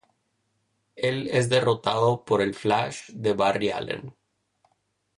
Él es derrotado por el Flash de Barry Allen.